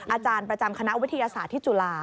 อาจารย์ประจำคณะวิทยาศาสตร์ที่จุฬา